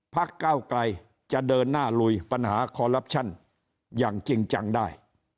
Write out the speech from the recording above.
ก้าวไกลจะเดินหน้าลุยปัญหาคอลลับชั่นอย่างจริงจังได้